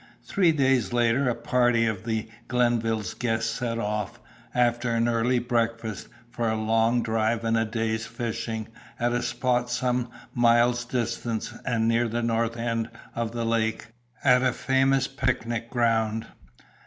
Three days later a party of the Glenville's guests set off, after an early breakfast, for a long drive and a day's fishing, at a spot some miles distant and near the north end of the lake, at a famous picnic ground.